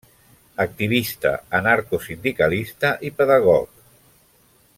Activista anarcosindicalista i pedagog.